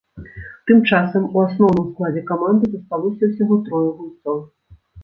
Тым часам у асноўным складзе каманды засталося ўсяго трое гульцоў.